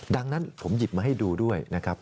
ดังนั้นผมหยิบมาให้ดูด้วยนะครับ